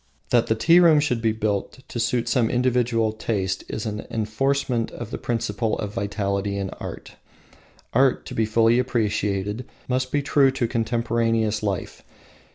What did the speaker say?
That the tea room should be built to suit some individual taste is an enforcement of the principle of vitality in art. Art, to be fully appreciated, must be true to contemporaneous life.